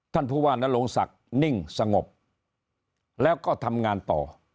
ท่านผู้ว่านโรงศักดิ์นิ่งสงบแล้วก็ทำงานต่อ